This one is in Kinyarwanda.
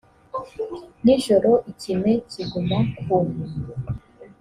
nijoro ikime kiguma ku